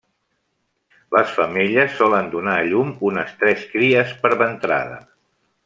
Les femelles solen donar a llum unes tres cries per ventrada.